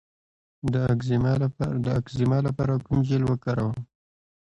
د اکزیما لپاره کوم جیل وکاروم؟